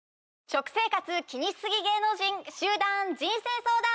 食生活気にしすぎ芸能人集団人生相談！